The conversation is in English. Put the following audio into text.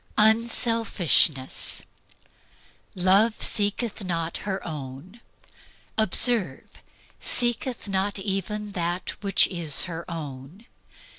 Unselfishness. "Love seeketh not her own." Observe: Seeketh not even that which is her own.